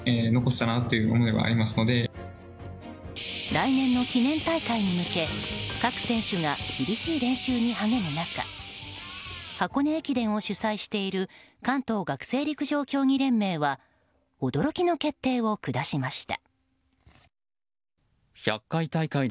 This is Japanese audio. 来年の記念大会に向け各選手が厳しい練習に励む中箱根駅伝を主催している関東学生陸上競技連盟は驚きの決定を下しました。